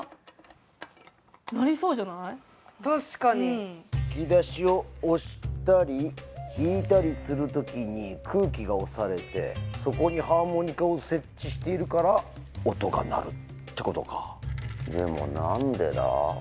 確かに引き出しを押したり引いたりするときに空気が押されてそこにハーモニカを設置しているから音が鳴るってことかでもなんでだ？